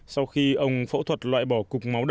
sau khi ông phẫu thuật loại bỏ cục máu đông trên mắt trái